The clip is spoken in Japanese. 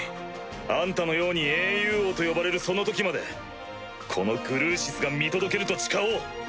あんたのように英雄王と呼ばれるその時までこのグルーシスが見届けると誓おう！